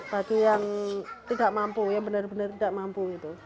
bagi yang tidak mampu yang benar benar tidak mampu itu